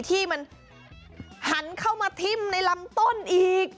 ที่มันหันเข้ามาทิ้มในลำต้นอีก